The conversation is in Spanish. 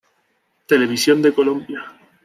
Televisión de Colombia.